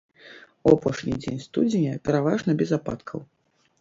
У апошні дзень студзеня пераважна без ападкаў.